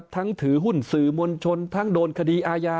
ถือหุ้นสื่อมวลชนทั้งโดนคดีอาญา